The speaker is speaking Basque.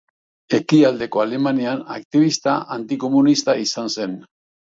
Ekialdeko Alemanian aktibista antikomunista izan zen.